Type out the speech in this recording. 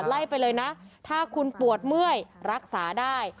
ไล่ไปเลยนะถ้าคุณปวดเมื่อยรักษาได้